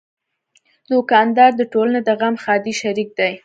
دوکاندار د ټولنې د غم ښادۍ شریک دی.